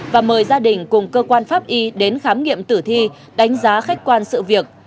và mời gia đình cùng cơ quan pháp y đến khám nghiệm tử thi đánh giá khách quan sự việc